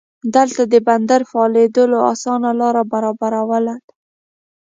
دلته د بندر فعالېدو اسانه لار برابرواله.